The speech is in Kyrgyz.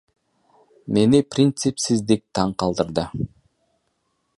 Мени принципсиздик таң калтырды.